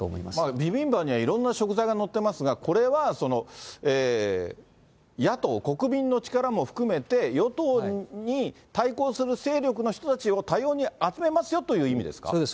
ビビンバにはいろんな食材が載っていますが、野党・国民の力も含めて与党に対抗する勢力の人たちを多様に集めそうです。